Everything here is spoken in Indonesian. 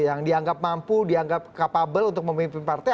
yang dianggap mampu dianggap capable untuk memimpin partai